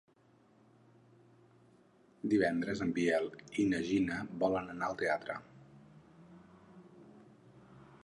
Divendres en Biel i na Gina volen anar al teatre.